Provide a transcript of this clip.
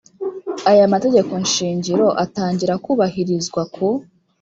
Aya mategeko shingiro atangira kubahirizwa ku